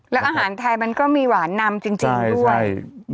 แล้วอาหารไทยมันก็มีหวานนำจริงด้วย